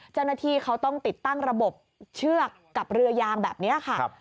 เจ้าหน้าที่เขาต้องติดตั้งระบบเชือกกับเรือยางแบบนี้ค่ะ